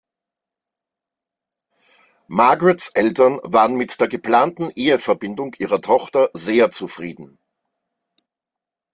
Margarets Eltern waren mit der geplanten Eheverbindung ihrer Tochter sehr zufrieden.